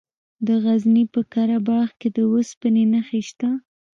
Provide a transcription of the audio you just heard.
د غزني په قره باغ کې د اوسپنې نښې شته.